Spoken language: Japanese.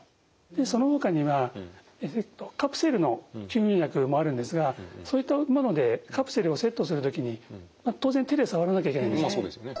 そのほかにはカプセルの吸入薬もあるんですがそういったものでカプセルをセットする時に当然手でさわらなきゃいけないですよね。